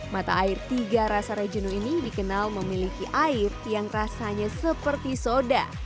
mata air tiga rasa rejenu ini dikenal memiliki air yang rasanya seperti soda